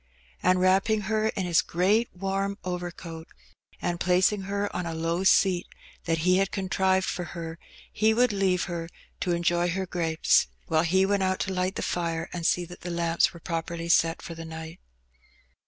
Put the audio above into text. And wrapping her in his great warm overcoat, and placing her on a low seat that he had contrived for her, he would leave her to enjoy her grapes, while he 78 Her Benny. went out to light the fire and see that the lamps were pro perly set for the night.